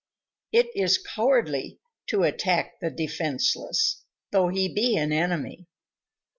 _It is cowardly to attack the defenseless, though he be an enemy.